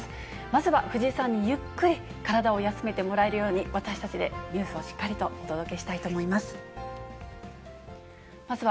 まずは藤井さんにゆっくり体を休めてもらえるように、私たちでニュースをしっかりとお届けしたいと思います。